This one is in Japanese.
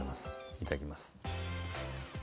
いただきます。